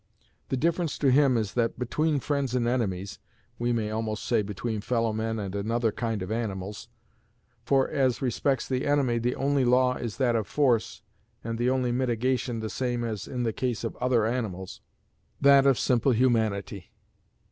The difference to him is that between friends and enemies we may almost say between fellow men and another kind of animals; for, as respects the enemy, the only law is that of force, and the only mitigation the same as in the case of other animals that of simple humanity.